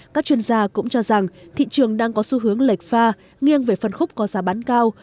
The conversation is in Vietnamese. các chuyên gia cũng cho rằng thị trường đang có xu hướng lệch pha nghiêng về phân khúc có giá bán cao